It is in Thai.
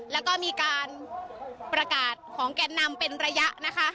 แล้วก็มีการประกาศของแก่นนำเป็นระยะนะคะ